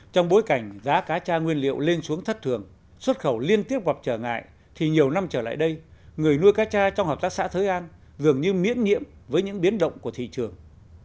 trong bối cảnh giá cá tra nguyên liệu lên xuống thất thường xuất khẩu liên tiếp gặp trở ngại thì nhiều năm trở lại đây người nuôi cá cha trong hợp tác xã thới an dường như miễn nhiệm với những biến động của thị trường